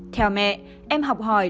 theo mẹ em học hỏi